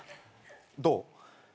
どう？